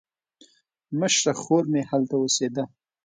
مشره خور مې هلته اوسېده.